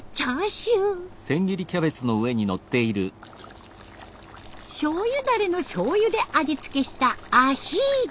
しょうゆダレのしょうゆで味付けしたアヒージョ。